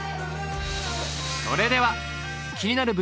それでは気になる